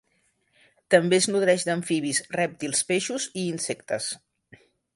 També es nodreix d'amfibis, rèptils, peixos i insectes.